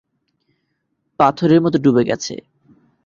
পাথরের মত ডুবে গেছে।